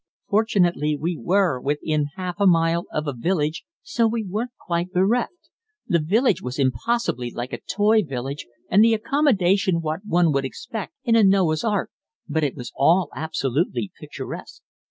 Fortunately we were within half a mile of a village, so we weren't quite bereft. The village was impossibly like a toy village, and the accommodation what one would expect in a Noah's Ark, but it was all absolutely picturesque.